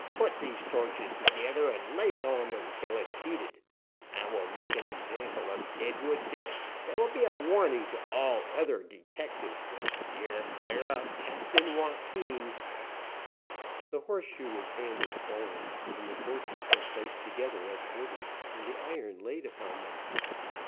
"Put these torches together, and lay it on them till it is heated. I will make an example of Deadwood Dick that will be a warning to all other detectives to steer clear of Captain Joaquin!" The horseshoe was handed forward, and the torches were placed together as ordered, and the iron laid upon them.